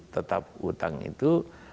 tetap utang itu